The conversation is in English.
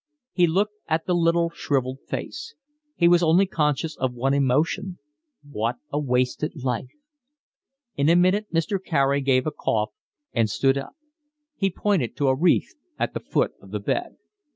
He looked at the little shrivelled face. He was only conscious of one emotion: what a wasted life! In a minute Mr. Carey gave a cough, and stood up. He pointed to a wreath at the foot of the bed.